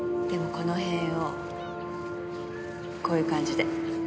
この辺をこういう感じで。